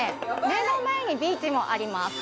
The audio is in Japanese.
目の前にビーチもあります